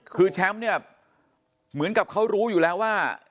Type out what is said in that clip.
คือแชมป์เนี่ยเหมือนกับเขารู้อยู่แล้วว่า